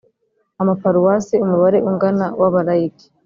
amaparuwasi umubare ungana w Abalayiki